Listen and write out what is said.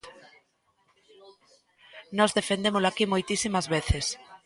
Nós defendémolo aquí moitísimas veces.